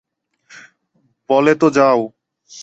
বলে তো যাও!